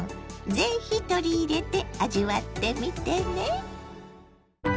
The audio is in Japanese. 是非取り入れて味わってみてね。